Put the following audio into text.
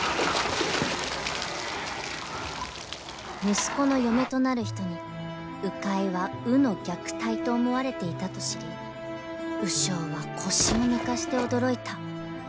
・［息子の嫁となる人に鵜飼いは鵜の虐待と思われていたと知り鵜匠は腰を抜かして驚いた］